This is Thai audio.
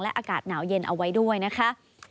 อากาศหนาวเย็นเอาไว้ด้วยนะคะ